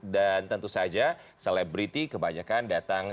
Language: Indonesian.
dan tentu saja selebriti kebanyakan datang